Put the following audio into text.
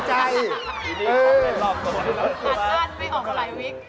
อาจารย์ไม่ออกหลายวิค